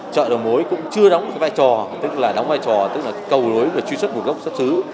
chợ đầu mối cũng chưa đóng vai trò tức là đóng vai trò tức là cầu đối và truy xuất một gốc xuất xứ